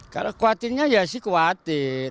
kalau khawatirnya ya sih khawatir